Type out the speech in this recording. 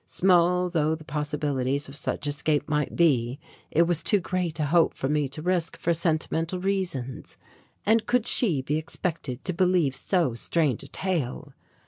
Small though the possibilities of such escape might be, it was too great a hope for me to risk for sentimental reasons. And could she be expected to believe so strange a tale?